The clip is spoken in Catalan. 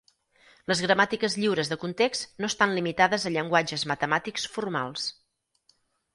Les gramàtiques lliures de context no estan limitades a llenguatges matemàtics formals.